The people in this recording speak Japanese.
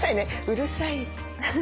うるさい。